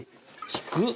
低っ。